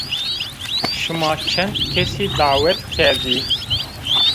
Şima çend kesî dawet kerdî?